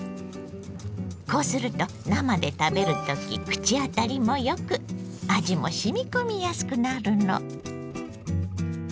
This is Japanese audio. こうすると生で食べる時口当たりもよく味もしみこみやすくなるの。